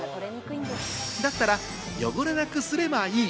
だったら汚れなくすればいい。